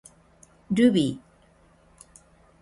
ルビー